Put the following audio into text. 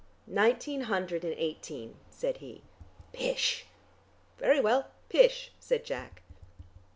"Nineteen hundred and eighteen," said he. "Pish!" "Very well, pish," said Jack.